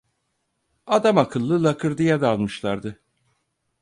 Adamakıllı lakırdıya dalmışlardı.